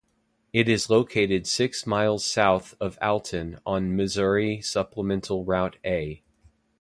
It is located six miles south of Alton on Missouri Supplemental Route A.